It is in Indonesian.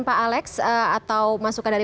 pak alex atau masukan dari